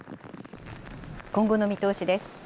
今後の見通しです。